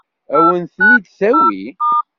Ad wen-ten-id-tawi?